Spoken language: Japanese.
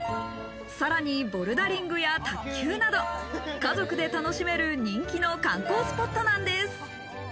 さらにボルダリングや卓球など、家族で楽しめる人気の観光スポットなんです。